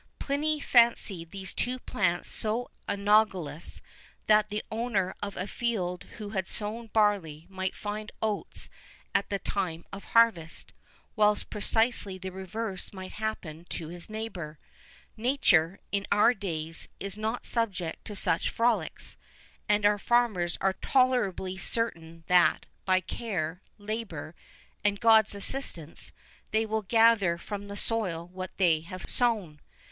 Pliny fancied these two plants so analogous, that the owner of a field who had sown barley might find oats at the time of harvest, whilst precisely the reverse might happen to his neighbour.[V 16] Nature, in our days, is not subject to such frolics; and our farmers are tolerably certain that, by care, labour, and God's assistance, they will gather from the soil what they have sown.